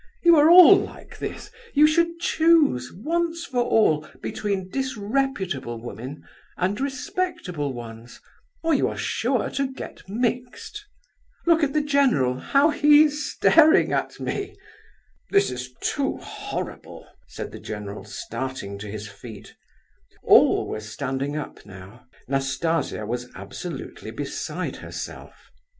You are all like this. You should choose, once for all, between disreputable women, and respectable ones, or you are sure to get mixed. Look at the general, how he's staring at me!" "This is too horrible," said the general, starting to his feet. All were standing up now. Nastasia was absolutely beside herself.